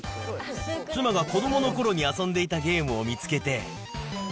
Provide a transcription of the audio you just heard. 妻が子どものころに遊んでいたゲームを見つけて。